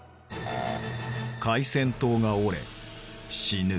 「回旋塔が折れ死ぬ」